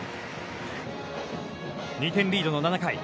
２点リードの７回。